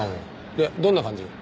でどんな感じ？